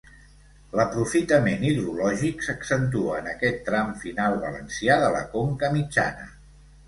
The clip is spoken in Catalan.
L'aprofitament hidrològic s'accentua en aquest tram final valencià de la conca mitjana.